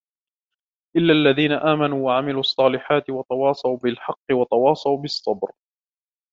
إلا الذين آمنوا وعملوا الصالحات وتواصوا بالحق وتواصوا بالصبر